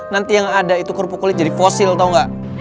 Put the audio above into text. nanti yang ada itu kerupuk kulit jadi fosil atau enggak